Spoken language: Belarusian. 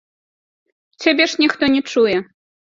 Цябе ж ніхто не чуе!